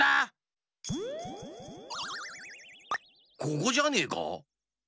ここじゃねえか？